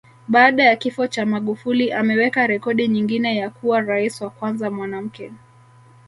Baada ya kifo cha Magufuli ameweka rekodi nyingine ya kuwa Rais wa kwanza mwanamke